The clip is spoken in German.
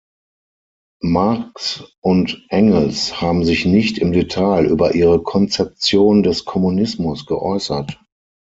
Marx und Engels haben sich nicht im Detail über ihre Konzeption des Kommunismus geäußert.